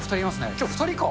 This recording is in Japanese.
きょう２人か。